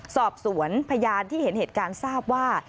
สอบสวนพยานที่เห็นเหตุการณ์ทราบว่า